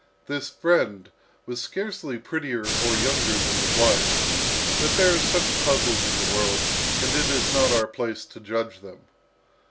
This friend was scarcely prettier or younger than his wife; but there are such puzzles in the world, and it is not our place to judge them.